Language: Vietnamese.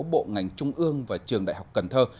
bộ ngành trung ương và trường đại học cần thơ